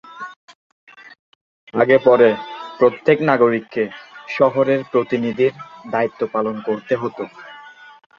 আগে পরে প্রত্যেক নাগরিককে শহরের প্রতিনিধির দায়িত্ব পালন করতে হতো।